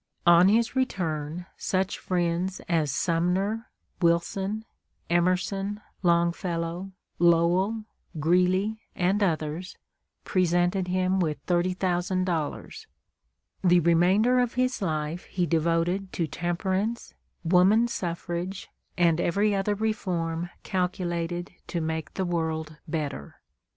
On his return, such friends as Sumner, Wilson, Emerson, Longfellow, Lowell, Greeley, and others presented him with $30,000. The remainder of his life he devoted to temperance, woman suffrage, and every other reform calculated to make the world better.